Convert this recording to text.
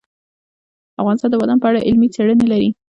افغانستان د بادام په اړه علمي څېړنې لري.